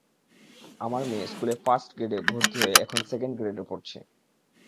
আমার মেয়ে স্কুলে ফার্স্ট গ্রেডে ভর্তি হয়ে এখন সেকেন্ড গ্রেডে পড়ছে।